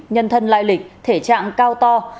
nhân thân lai lịch thể trạng cao to